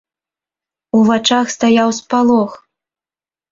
У вачах стаяў спалох.